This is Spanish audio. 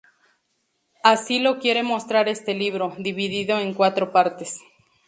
Así lo quiere mostrar este libro, dividido en cuatro partes.